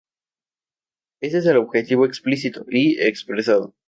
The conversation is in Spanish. Ese es el objetivo explícito y expresado.